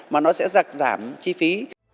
mà nó sẽ giảm chi phí